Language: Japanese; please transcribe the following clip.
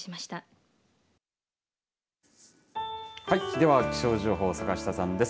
では気象情報、坂下さんです。